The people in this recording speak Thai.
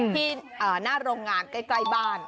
ที่หน้าโรงงานใกล้บ้าน